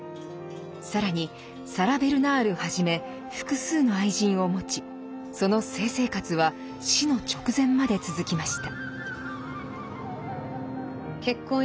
更にサラ・ベルナールはじめ複数の愛人をもちその性生活は死の直前まで続きました。